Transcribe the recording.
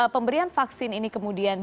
pemberian vaksin ini kemudian